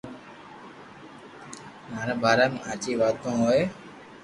مارا باري ۾ ھاچي واتون ھوئي